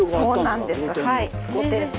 そうなんです。